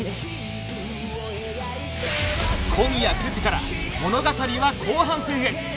今夜９時から物語は後半戦へ！